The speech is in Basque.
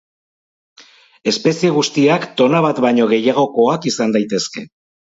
Espezie guztiak tona bat baino gehiagokoak izan daitezke.